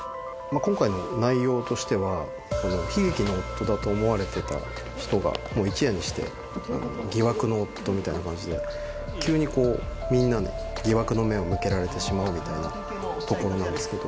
今回の内容としては悲劇の夫だと思われてた人がもう一夜にして疑惑の夫みたいな感じで急にみんなに疑惑の目を向けられてしまうみたいなところなんですけど。